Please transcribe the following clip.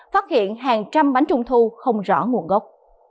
phát hiện hàng trăm bánh trung thu không rõ nguồn gốc